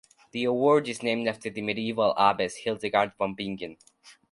The award is named after the medieval abbess Hildegard von Bingen.